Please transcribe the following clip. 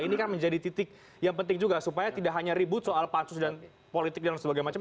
ini kan menjadi titik yang penting juga supaya tidak hanya ribut soal pansus dan politik dan sebagainya